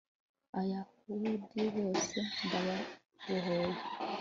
abayahudi bose ndababohoye